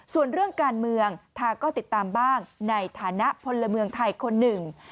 ส่วนเรื่องการเมืองทาก็ติดตามบ้างในฐานะพลเมืองไทยคนหนึ่ง